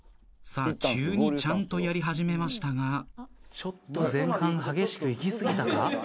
さあ急にちゃんとやり始めましたがちょっと前半激しくいきすぎたか？